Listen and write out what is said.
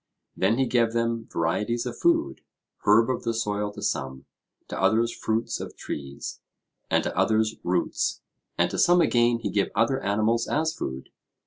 Then he gave them varieties of food, herb of the soil to some, to others fruits of trees, and to others roots, and to some again he gave other animals as food.